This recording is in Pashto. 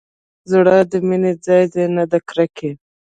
زړه د مينې ځاى دى نه د کرکې.